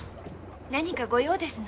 何かご用ですの？